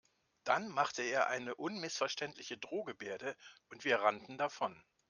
Dann machte er eine unmissverständliche Drohgebärde und wir rannten davon.